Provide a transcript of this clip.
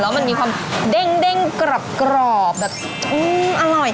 แล้วมันมีความเด้งกรอบแบบอร่อย